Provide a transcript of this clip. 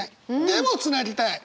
でもつなぎたい！